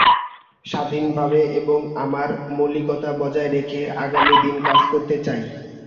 স্বাধীনভাবে এবং আমার মৌলিকতা বজায় রেখে আগামী দিনে কাজ করতে চাই।